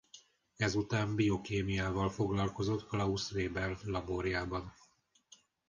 Ezután biokémiával foglalkozott Klaus Weber laborjában.